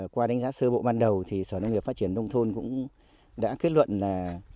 qua đánh giá sơ bộ ban đầu thì sở nông nghiệp phát triển đông thôn cũng đã kết luận là